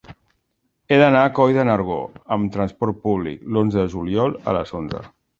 He d'anar a Coll de Nargó amb trasport públic l'onze de juliol a les onze.